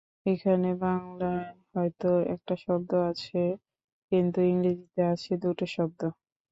এখানে বাংলায় হয়তো একটা শব্দ আছে কিন্তু ইংরেজিতে আছে দুটো শব্দ।